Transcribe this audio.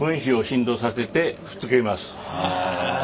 へえ。